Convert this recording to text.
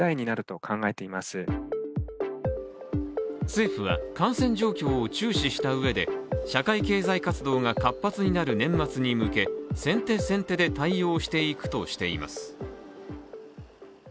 政府は感染状況を注視したうえで社会経済活動が活発になる年末に向け、先手先手で対応していくとしています。